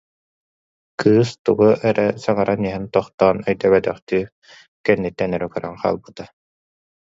Кыыс тугу эрэ саҥаран иһэн, тохтоон өйдөөбөтөхтүү, кэнниттэн эрэ көрөн хаалбыта